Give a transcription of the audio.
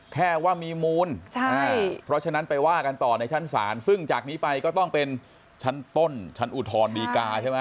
แค่ว่ามีมูลใช่เพราะฉะนั้นไปว่ากันต่อในชั้นศาลซึ่งจากนี้ไปก็ต้องเป็นชั้นต้นชั้นอุทธรณดีกาใช่ไหม